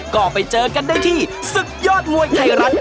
ก็ไปเจอกันได้ที่ศึกยอดมวยไทยรัฐ